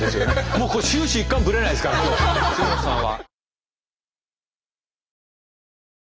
もうこれ終始一貫ぶれないですから杉本さんは。